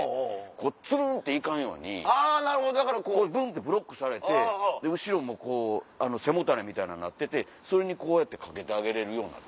こうツルンって行かんようにブンってブロックされて後ろもこう背もたれみたいななっててそれにこうやってかけてあげれるようになってる。